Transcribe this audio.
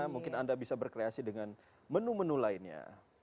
mungkin anda bisa berkreasi dengan menu menu lainnya